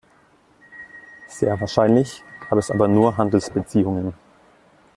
Sehr wahrscheinlich gab es aber nur Handelsbeziehungen.